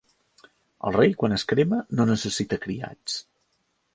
El rei, quan es crema, no necessita criats.